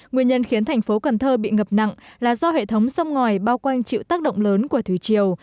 nguyên nhân khiến thành phố cần thơ bị ngập nặng là do hệ thống sông ngòi bao quanh chịu tác động lớn của thủy chiều